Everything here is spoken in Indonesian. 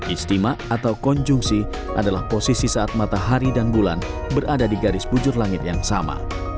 istimewa atau konjungsi adalah posisi saat matahari dan bulan berada di garis bujur langit yang sama